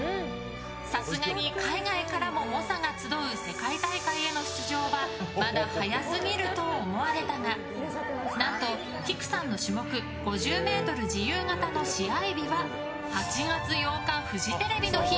さすがに海外からも猛者が集う選手権にはまだ早すぎると思われたが何と、きくさんの種目５０ｍ自由形の試合日は８月８日、フジテレビの日。